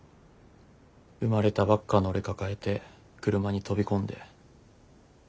生まれたばっかの俺抱えて車に飛び込んで。